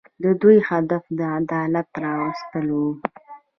د دوی هدف د عدالت راوستل وو.